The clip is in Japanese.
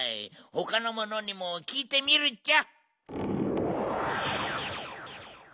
ほかのものにもきいてみるっちゃ。